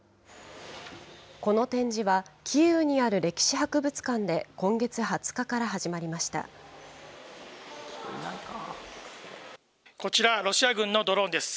この展示は、キーウにある歴史博物館で今月２０日から始まりこちら、ロシア軍のドローンです。